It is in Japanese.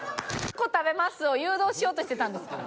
○○こ食べますを誘導しようとしてたんですか？